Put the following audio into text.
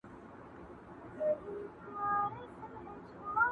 زه دي يو ځلي پر ژبه مچومه!.